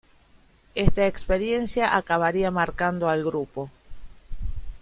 Esta experiencia acabaría marcando al grupo.